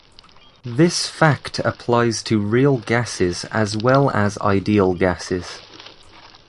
This fact applies to real gases as well as ideal gases.